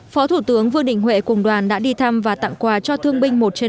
phó thủ tướng vương đình huệ cùng đoàn đã đi thăm và tặng quà cho thương binh một trên bảy